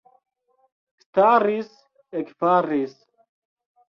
Staris, ekfaris.